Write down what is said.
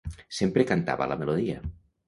Sempre cantava la melodia.